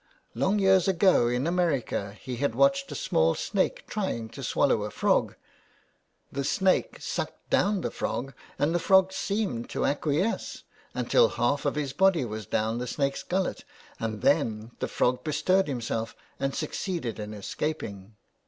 Long years ago in America he had watched a small snake trying to swallow a frog. The snake sucked down the frog, and the frog seemed to acquiesce until the half of his body was down the snake's gullet, and then the frog bestirred himself and succeeded in escaping.